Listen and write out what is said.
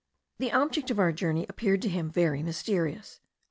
The object of our journey appeared to him very mysterious.